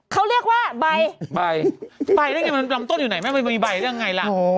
เขาเรียกว่าใบใบได้ไงมันลำต้นอยู่ไหนแม่มันมีใบได้ไงล่ะ